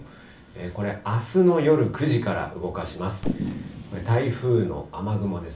これ、あすの夜９時から動かします。